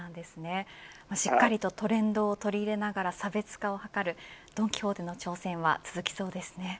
しっかりとトレンドを取り入れながら差別化を図るドン・キホーテの挑戦は続きそうですね。